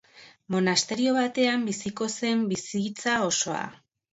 Monasterio batean biziko zen bizitza osoa.